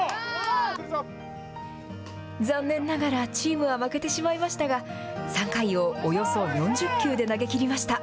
残念ながらチームは負けてしまいましたが、３回をおよそ４０球で投げきりました。